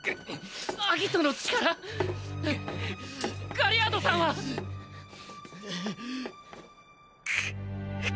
ガリアードさんは？っ！！